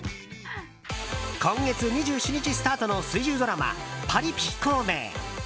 今月２７日スタートの水１０ドラマ「パリピ孔明」。